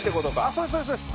そうですそうですそうです。